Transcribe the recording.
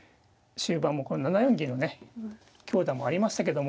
終盤もこの７四銀のね強打もありましたけども。